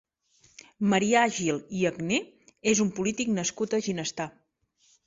Marià Gil i Agné és un polític nascut a Ginestar.